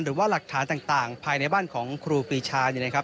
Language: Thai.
หรือว่าหลักฐานต่างภายในบ้านของครูปีชาเนี่ยนะครับ